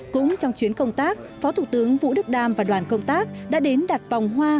cũng trong chuyến công tác phó thủ tướng vũ đức đam và đoàn công tác đã đến đặt vòng hoa